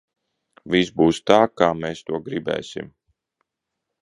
Viss būs tā, kā mēs to gribēsim!